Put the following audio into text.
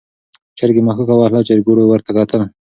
چرګې مښوکه وهله او چرګوړو ورته کتل.